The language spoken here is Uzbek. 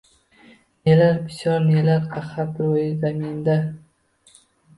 Nelar bisyor, nelar qahat roʼyi zaminda